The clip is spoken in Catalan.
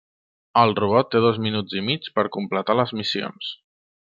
El robot té dos minuts i mig per completar les missions.